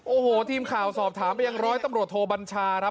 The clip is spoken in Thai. โอ้โหทีมข่าวสอบถามไปยังร้อยตำรวจโทบัญชาครับ